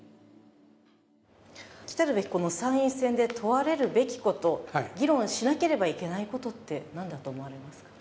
来たるべき参院選で問われるべきこと、議論しなければいけないことって何だと思いますか？